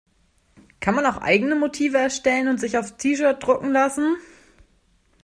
Kann man auch eigene Motive erstellen und sich aufs T-shirt drucken lassen?